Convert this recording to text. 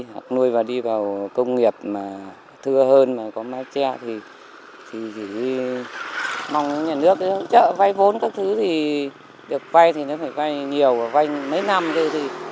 hoặc nuôi và đi vào công nghiệp mà thưa hơn mà có mái che thì chỉ mong nhà nước vay vốn các thứ thì được vay thì nó phải vay nhiều và vay mấy năm thôi